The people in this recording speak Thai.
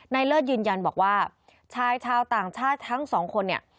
เลิศยืนยันบอกว่าชายชาวต่างชาติทั้งสองคนเนี่ย